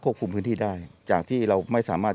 คุมพื้นที่ได้จากที่เราไม่สามารถ